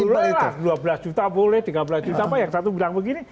boleh lah dua belas juta boleh tiga belas juta apa yang satu bilang begini